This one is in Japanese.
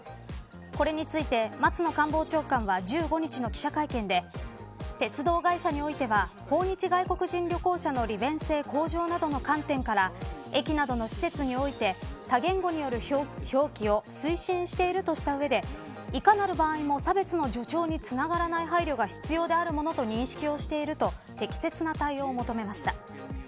これについて、松野官房長官は１５日の記者会見で鉄道会社においては訪日外国人旅行者の利便性向上など観点から駅などの施設において他言語による表記を推進しているとした上でいかなる場合も差別の助長につながらない配慮が必要であるものと認識をしていると適切な対応を求めました。